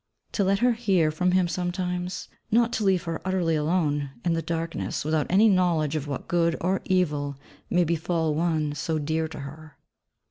To let her hear from him sometimes: not to leave her utterly alone, in the darkness, without any knowledge of what good or evil may befall one so dear to her.